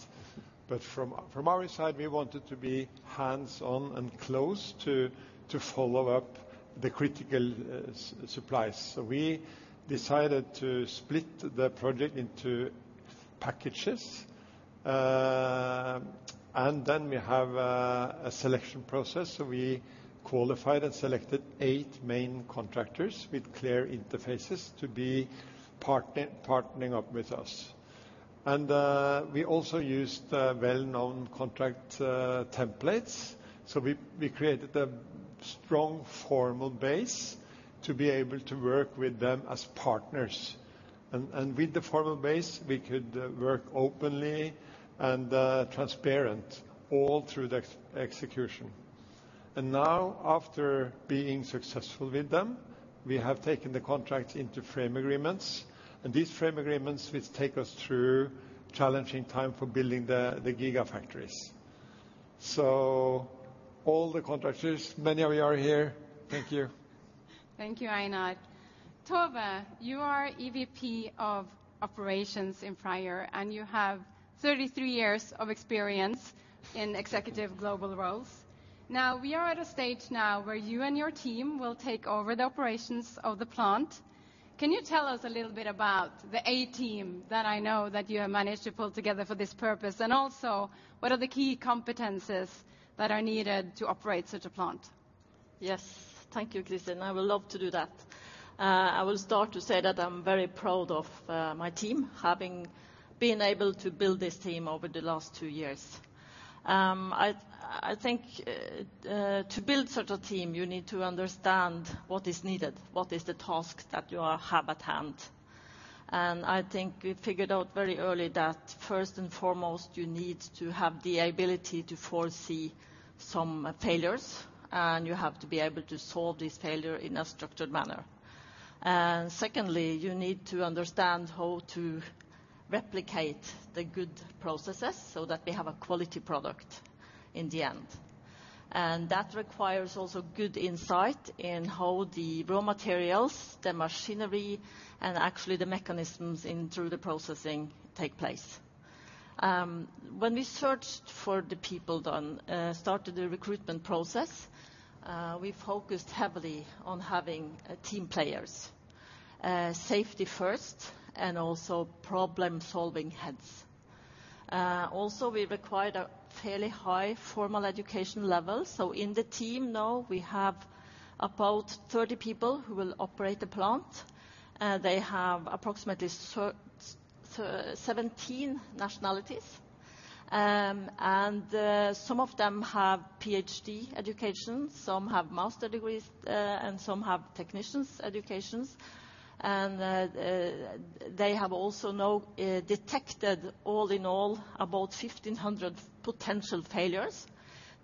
From our side, we wanted to be hands-on and close to follow up the critical supplies. We decided to split the project into packages, and then we have a selection process. We qualified and selected eight main contractors with clear interfaces to be partnering up with us. We also used well-known contract templates, so we created a strong formal base to be able to work with them as partners. With the formal base, we could work openly and transparent all through the execution. Now after being successful with them, we have taken the contract into frame agreements. These frame agreements which take us through challenging time for building the gigafactories. All the contractors, many of you are here, thank you. Thank you, Einar. Tove, you are EVP of Operations in FREYR, and you have 33 years of experience in executive global roles. Now, we are at a stage now where you and your team will take over the operations of the plant. Can you tell us a little bit about the A team that I know that you have managed to pull together for this purpose? Also, what are the key competences that are needed to operate such a plant? Yes. Thank you, Kristin. I would love to do that. I will start to say that I'm very proud of my team, having been able to build this team over the last two years. I think to build such a team, you need to understand what is needed, what is the task that you all have at hand. I think we figured out very early that first and foremost, you need to have the ability to foresee some failures, and you have to be able to solve this failure in a structured manner. Secondly, you need to understand how to replicate the good processes so that we have a quality product in the end. That requires also good insight in how the raw materials, the machinery, and actually the mechanisms in through the processing take place. When we searched for the people, then started the recruitment process, we focused heavily on having team players. Safety first and also problem-solving heads. Also we required a fairly high formal education level. In the team now we have about 30 people who will operate the plant. They have approximately 17 nationalities. Some of them have Ph.D. education, some have master degrees, and some have technicians educations. They have also now detected all in all about 1,500 potential failures.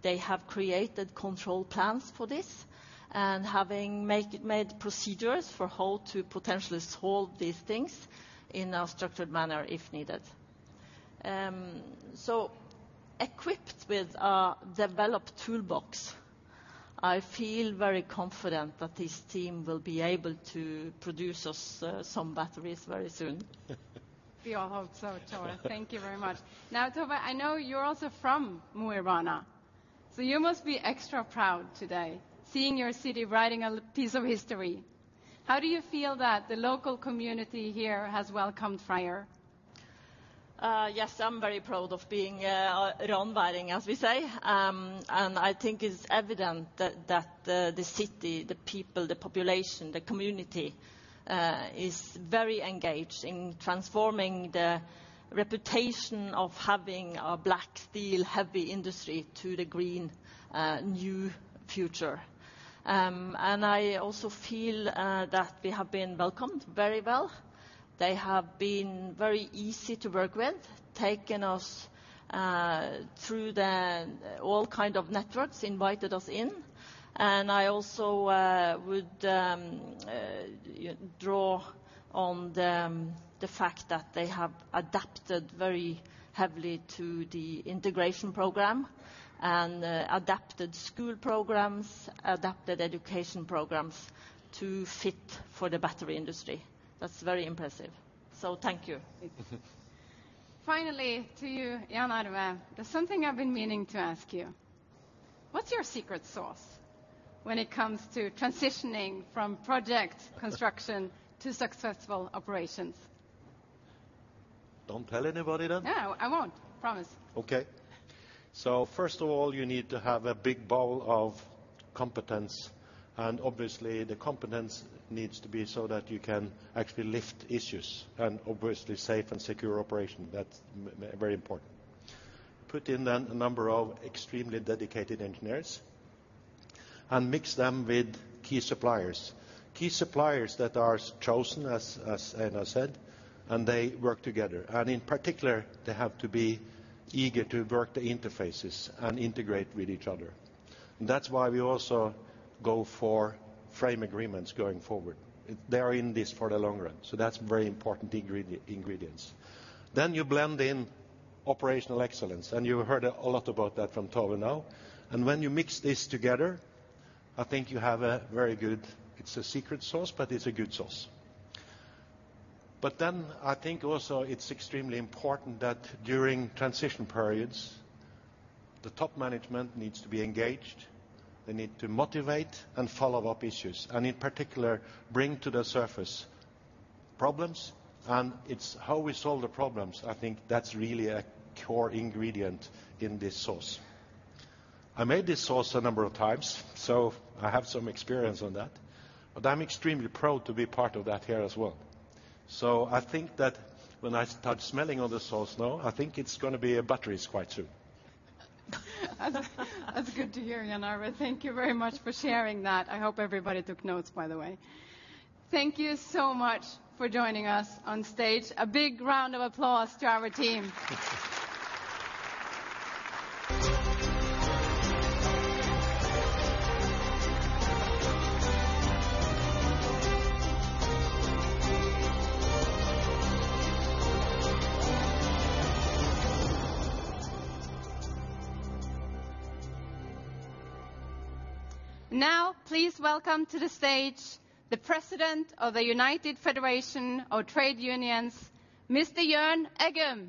They have created control plans for this and having made procedures for how to potentially solve these things in a structured manner if needed. Equipped with a developed toolbox, I feel very confident that this team will be able to produce us some batteries very soon. We all hope so, Tove. Thank you very much. Tove, I know you're also from Mo i Rana, so you must be extra proud today seeing your city writing a piece of history. How do you feel that the local community here has welcomed FREYR? Yes, I'm very proud of being a FREYRian, as we say. I think it's evident that the city, the people, the population, the community is very engaged in transforming the reputation of having a black steel heavy industry to the green, new future. I also feel that we have been welcomed very well. They have been very easy to work with, taken us through the all kind of networks, invited us in. I also would draw on the fact that they have adapted very heavily to the integration program and adapted school programs, adapted education programs to fit for the battery industry. That's very impressive. Thank you. Finally to you, Jan Arve. There's something I've been meaning to ask you. What's your secret sauce when it comes to transitioning from project construction to successful operations? Don't tell anybody then. No, I won't. Promise. First of all, you need to have a big bowl of competence, and obviously the competence needs to be so that you can actually lift issues and obviously safe and secure operation. That's very important. Put in a number of extremely dedicated engineers and mix them with key suppliers. Key suppliers that are chosen, as Einar said, and they work together. In particular, they have to be eager to work the interfaces and integrate with each other. That's why we also go for frame agreements going forward. They are in this for the long run, so that's very important ingredients. You blend in operational excellence, and you heard a lot about that from Tove now. When you mix this together, I think you have a very good. It's a secret sauce, but it's a good sauce. I think also it's extremely important that during transition periods, the top management needs to be engaged. They need to motivate and follow up issues, and in particular, bring to the surface problems. It's how we solve the problems, I think that's really a core ingredient in this sauce. I made this sauce a number of times, so I have some experience on that. I'm extremely proud to be part of that here as well. I think that when I start smelling on the sauce now, I think it's gonna be batteries quite soon. That's good to hear, Jan Arve. Thank you very much for sharing that. I hope everybody took notes, by the way. Thank you so much for joining us on stage. A big round of applause to our team. Please welcome to the stage the President of the United Federation of Trade Unions, Mr. Jørn Eggum.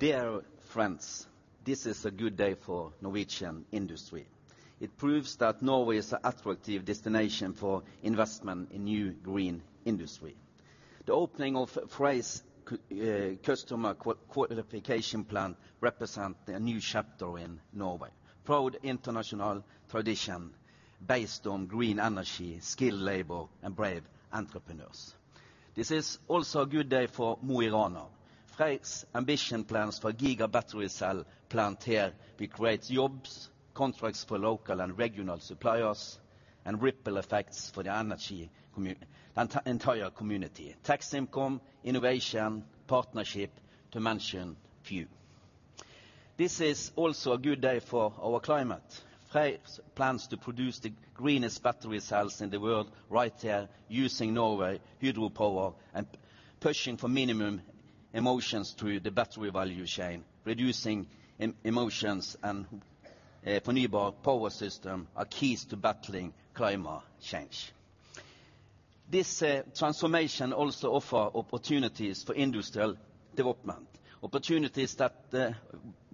Dear friends, this is a good day for Norwegian industry. It proves that Norway is an attractive destination for investment in new green industry. The opening of FREYR's Customer Qualification Plant represent a new chapter in Norway. Proud international tradition based on green energy, skilled labor, and brave entrepreneurs. This is also a good day for Mo i Rana. FREYR's ambition plans for giga battery cell plant here will create jobs, contracts for local and regional suppliers, and ripple effects for the entire community. Tax income, innovation, partnership to mention few. This is also a good day for our climate. FREYR's plans to produce the greenest battery cells in the world right here using Norway hydropower and pushing for minimum emissions through the battery value chain. Reducing emissions and renewable power system are keys to battling climate change. This transformation also offer opportunities for industrial development. Opportunities that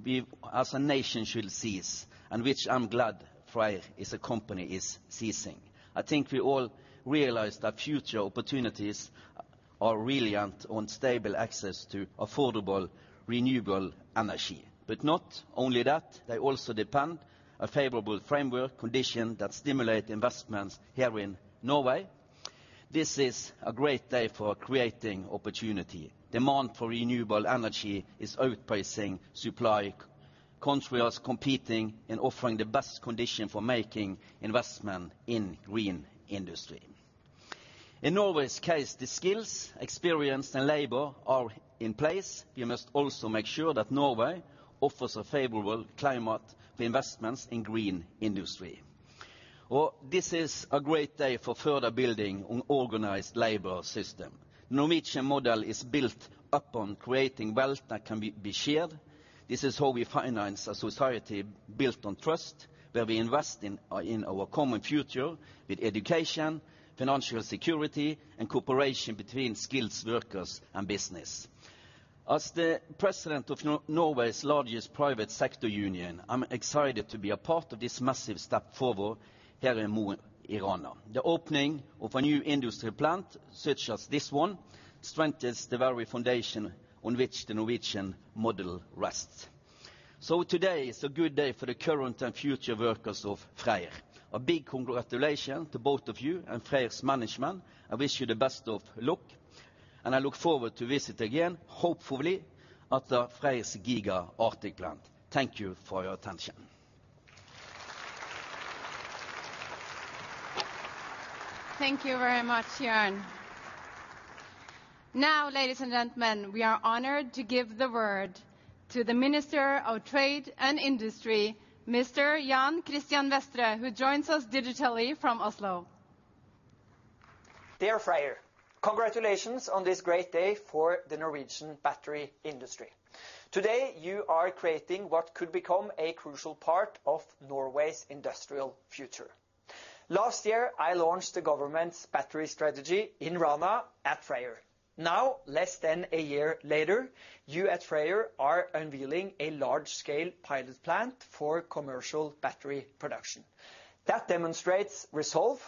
we as a nation should seize, and which I'm glad FREYR as a company is seizing. I think we all realize that future opportunities are reliant on stable access to affordable, renewable energy. Not only that, they also depend a favorable framework condition that stimulate investments here in Norway. This is a great day for creating opportunity. Demand for renewable energy is outpacing supply. Countries competing and offering the best condition for making investment in green industry. In Norway's case, the skills, experience, and labor are in place. We must also make sure that Norway offers a favorable climate for investments in green industry. This is a great day for further building on organized labor system. Norwegian model is built upon creating wealth that can be shared. This is how we finance a society built on trust, where we invest in our common future with education, financial security, and cooperation between skilled workers and business. As the President of Norway's largest private sector union, I'm excited to be a part of this massive step forward here in Mo i Rana. The opening of a new industry plant such as this one strengthens the very foundation on which the Norwegian model rests. Today is a good day for the current and future workers of FREYR. A big congratulations to both of you and FREYR's management. I wish you the best of luck, and I look forward to visit again, hopefully, at the FREYR's Giga Arctic plant. Thank you for your attention. Thank you very much, Jørn. Ladies and gentlemen, we are honored to give the word to the Minister of Trade and Industry, Mr. Jan Christian Vestre, who joins us digitally from Oslo. Dear FREYR, congratulations on this great day for the Norwegian battery industry. Today, you are creating what could become a crucial part of Norway's industrial future. Last year, I launched the government's Battery Strategy in Rana at FREYR. Now, less than a year later, you at FREYR are unveiling a large-scale pilot plant for commercial battery production. That demonstrates resolve,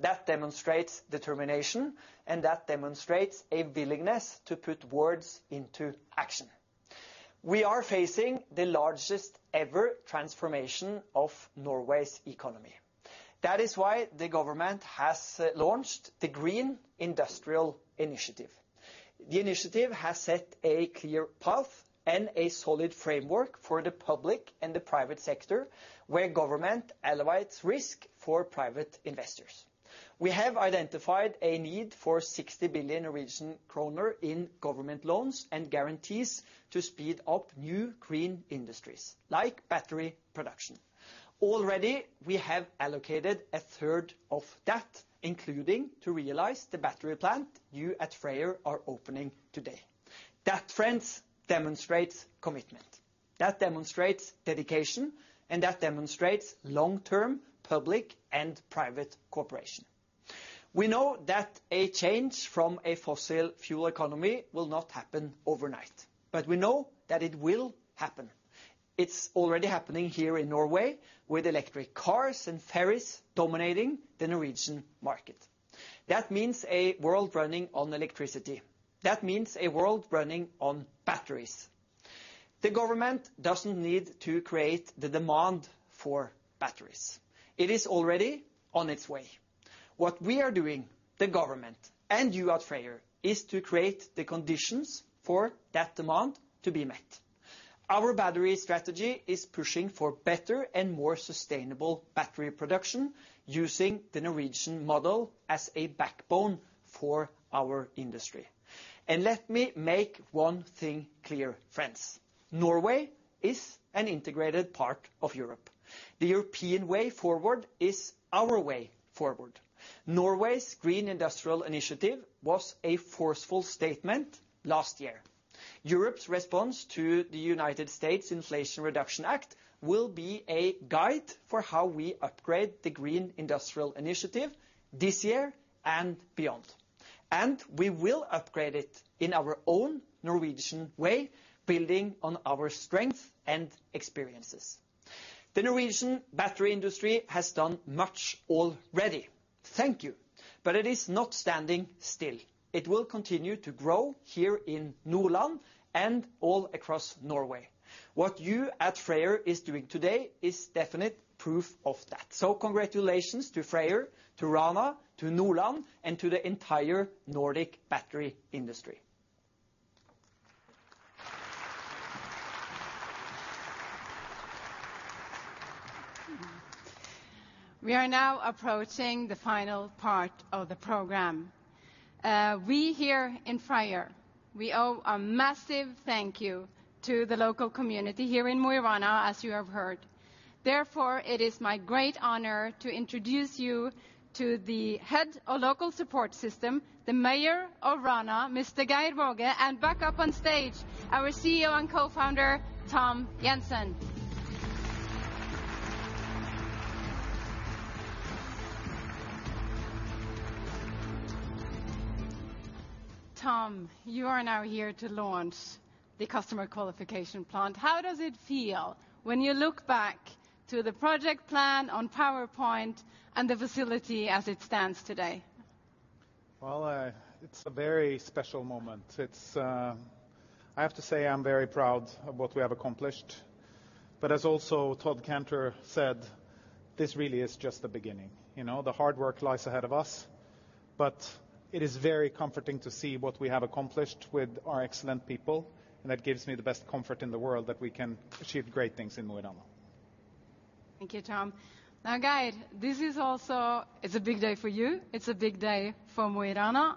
that demonstrates determination, and that demonstrates a willingness to put words into action. We are facing the largest ever transformation of Norway's economy. That is why the government has launched the Green Industrial Initiative. The initiative has set a clear path and a solid framework for the public and the private sector, where government alleviates risk for private investors. We have identified a need for 60 billion Norwegian kroner in government loans and guarantees to speed up new green industries, like battery production. Already, we have allocated a 1/3 of that, including to realize the battery plant you at FREYR are opening today. That, friends, demonstrates commitment. That demonstrates dedication, and that demonstrates long-term public and private cooperation. We know that a change from a fossil fuel economy will not happen overnight, but we know that it will happen. It's already happening here in Norway with electric cars and ferries dominating the Norwegian market. That means a world running on electricity. That means a world running on batteries. The government doesn't need to create the demand for batteries. It is already on its way. What we are doing, the government, and you at FREYR, is to create the conditions for that demand to be met. Our Battery Strategy is pushing for better and more sustainable battery production using the Norwegian model as a backbone for our industry. Let me make one thing clear, friends, Norway is an integrated part of Europe. The European way forward is our way forward. Norway's Green Industrial Initiative was a forceful statement last year. Europe's response to the United States' Inflation Reduction Act will be a guide for how we upgrade the Green Industrial Initiative this year and beyond, and we will upgrade it in our own Norwegian way, building on our strength and experiences. The Norwegian battery industry has done much already. Thank you. It is not standing still. It will continue to grow here in Nordland and all across Norway. What you at FREYR is doing today is definite proof of that. Congratulations to FREYR, to Rana, to Nordland, and to the entire Nordic battery industry. We are now approaching the final part of the program. We here in FREYR, we owe a massive thank you to the local community here in Mo i Rana, as you have heard. Therefore, it is my great honor to introduce you to the head of local support system, the Mayor of Rana, Mr. Geir Waage, and back up on stage, our CEO and Co-Founder, Tom Jensen. Tom, you are now here to launch the Customer Qualification Plant. How does it feel when you look back to the project plan on PowerPoint and the facility as it stands today? Well, it's a very special moment. I have to say, I'm very proud of what we have accomplished. As also Todd Kantor said, this really is just the beginning. You know? The hard work lies ahead of us, it is very comforting to see what we have accomplished with our excellent people, and that gives me the best comfort in the world that we can achieve great things in Mo i Rana. Thank you, Tom. Now, Geir, this is also... It's a big day for you. It's a big day for Mo i Rana.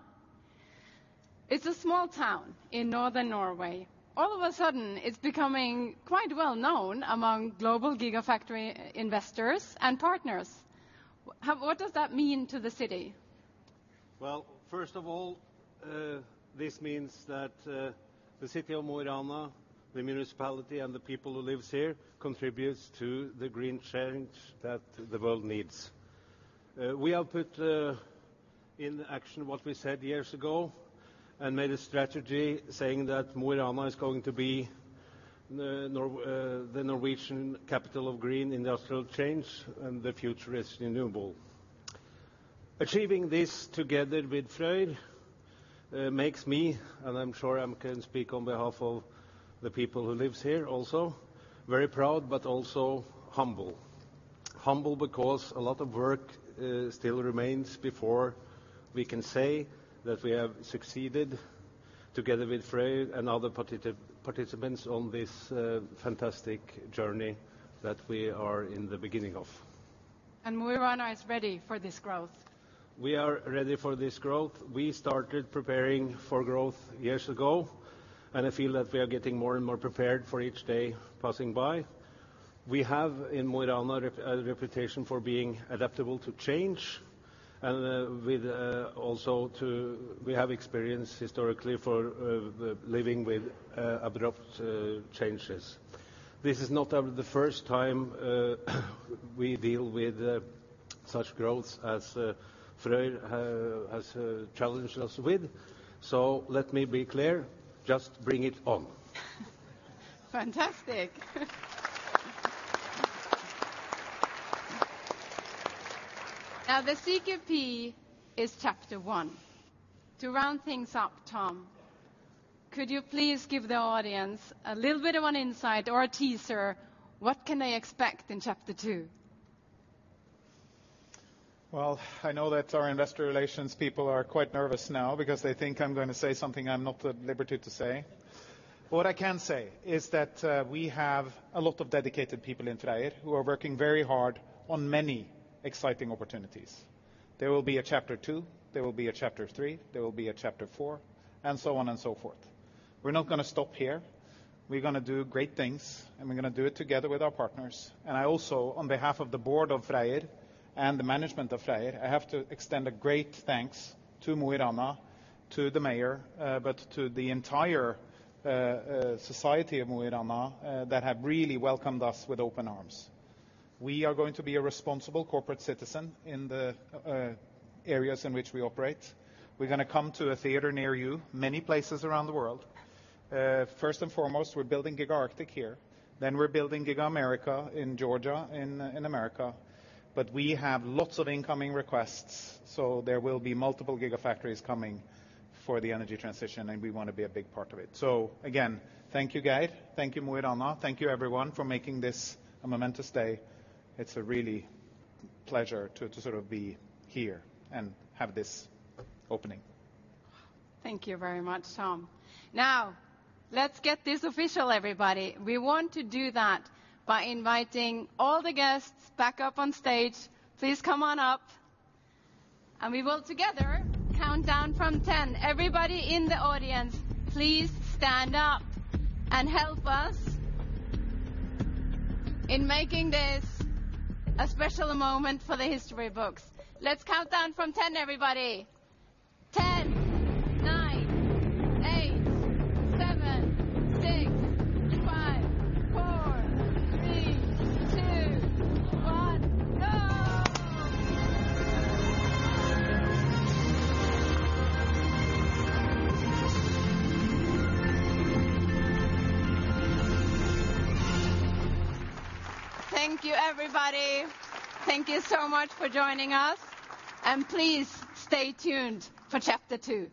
It's a small town in Northern Norway. All of a sudden, it's becoming quite well-known among global gigafactory investors and partners. What does that mean to the city? First of all, this means that the city of Mo i Rana, the municipality, and the people who lives here contributes to the green change that the world needs. We have put in action what we said years ago and made a strategy saying that Mo i Rana is going to be the Norwegian capital of green industrial change. The future is renewable. Achieving this together with FREYR makes me, and I'm sure I can speak on behalf of the people who lives here also, very proud but also humble. Humble because a lot of work still remains before we can say that we have succeeded together with FREYR and other participants on this fantastic journey that we are in the beginning of. And Mo i Rana is ready for this growth? We are ready for this growth. We started preparing for growth years ago. I feel that we are getting more and more prepared for each day passing by. We have in Mo i Rana a reputation for being adaptable to change and with also to... We have experience historically for the living with abrupt changes. This is not the first time we deal with such growth as FREYR has challenged us with. Let me be clear. Just bring it on. Fantastic. Now, the CQP is chapter one. To round things up, Tom, could you please give the audience a little bit of an insight or a teaser, what can they expect in chapter two? I know that our investor relations people are quite nervous now because they think I'm gonna say something I'm not at liberty to say. What I can say is that we have a lot of dedicated people in FREYR who are working very hard on many exciting opportunities. There will be a chapter two, there will be a chapter three, there will be a chapter four, and so on and so forth. We're not gonna stop here. We're gonna do great things, and we're gonna do it together with our partners. I also, on behalf of the board of FREYR and the management of FREYR, I have to extend a great thanks to Mo i Rana, to the Mayor, but to the entire society of Mo i Rana that have really welcomed us with open arms. We are going to be a responsible corporate citizen in the areas in which we operate. We're gonna come to a theater near you, many places around the world. First and foremost, we're building Giga Arctic here. We're building Giga America in Georgia in America. We have lots of incoming requests, so there will be multiple gigafactories coming for the energy transition, and we wanna be a big part of it. Again, thank you, Geir. Thank you, Mo i Rana. Thank you everyone for making this a momentous day. It's a really pleasure to sort of be here and have this opening. Thank you very much, Tom. Let's get this official, everybody. We want to do that by inviting all the guests back up on stage. Please come on up. We will together count down from 10. Everybody in the audience, please stand up and help us in making this a special moment for the history books. Let's count down from 10, everybody. 10, 9, 8, 7, 6, 5, 4, 3, 2, 1. Go! Thank you, everybody. Thank you so much for joining us. Please stay tuned for chapter two.